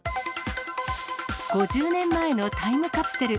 ５０年前のタイムカプセル。